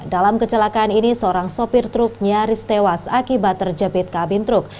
dalam kecelakaan ini seorang sopir truk nyaris tewas akibat terjepit kabin truk